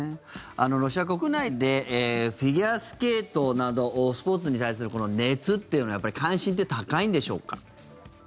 ロシア国内でフィギュアスケートなどスポーツに対する熱っていうのは関心って高いんでしょうか。